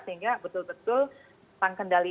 sehingga betul betul tangkendali